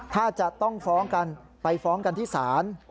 ถ้าจะต้องฟ้องกันไปฟ้องกันที่ศาล